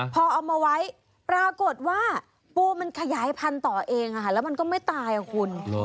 พอเอามาไว้ปรากฏว่าปูมันขยายพันธุ์ต่อเองแล้วมันก็ไม่ตายอ่ะคุณ